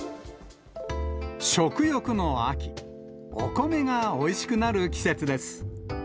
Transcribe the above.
食欲の秋、お米がおいしくなる季節です。